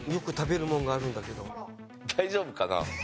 大丈夫かな？